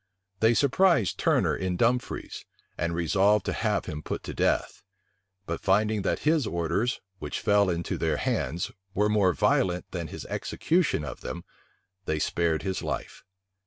They surprised Turner in Dumfries, and resolved to have put him to death; but finding that his orders, which fell into their hands, were more violent than his execution of them, they spared his life.